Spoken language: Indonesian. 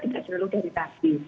tidak selalu dari nasi